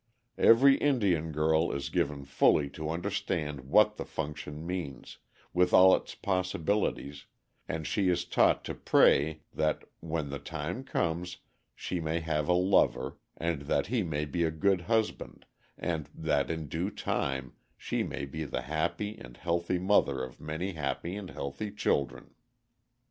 Every Indian girl is given fully to understand what the function means, with all its possibilities, and she is taught to pray that, when the time comes, she may have a lover, and that he may be a good husband, and that, in due time, she may be the happy and healthy mother of many happy and healthy children.